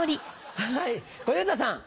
はい小遊三さん。